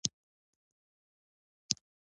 شېخ کټه شېخ متي لمسی دﺉ.